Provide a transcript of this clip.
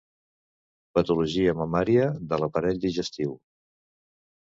Patologia mamària, de l'aparell digestiu.